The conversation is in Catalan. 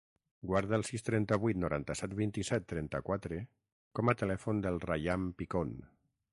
Guarda el sis, trenta-vuit, noranta-set, vint-i-set, trenta-quatre com a telèfon del Rayan Picon.